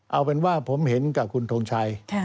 เอาเป็นว่าผมเห็นกับคุณทงชัย